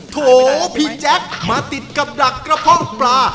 โถพี่แจ๊คมาติดกับดักกระเพาะปลา